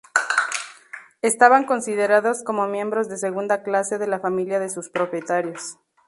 Estaban considerados como miembros de segunda clase de la familia de sus propietarios.